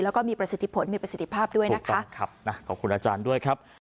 แล้วก็มีประสิทธิผลมีประสิทธิภาพด้วยนะคะครับนะขอบคุณอาจารย์ด้วยครับ